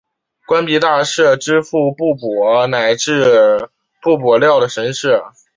官币大社支付币帛乃至币帛料的神社。